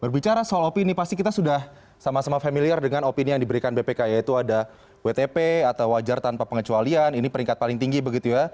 berbicara soal opini pasti kita sudah sama sama familiar dengan opini yang diberikan bpk yaitu ada wtp atau wajar tanpa pengecualian ini peringkat paling tinggi begitu ya